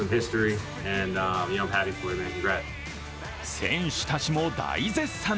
選手たちも大絶賛。